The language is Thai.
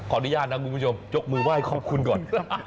อนุญาตนะคุณผู้ชมยกมือไหว้ขอบคุณก่อน